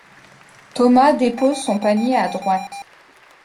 Thomas dépose son panier à droite.